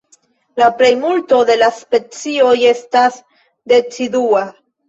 La plejmulto de la specioj estas decidua.